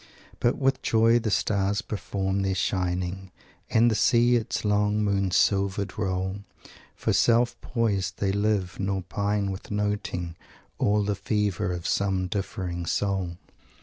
But with joy the stars perform their shining And the sea its long, moon silvered roll; For self poised they live; nor pine with noting All the fever of some differing soul."